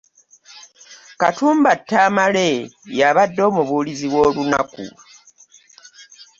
Katumba Tamale y'abadde omubuulizi w'olunaku.